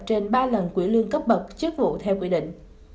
trên ba lần quỹ lương cấp bật chức vụ theo quy định